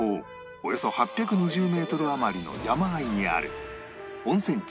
およそ８２０メートル余りの山あいにある温泉地